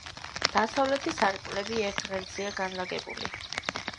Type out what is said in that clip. დასავლეთი სარკმლები ერთ ღერძზეა განლაგებული.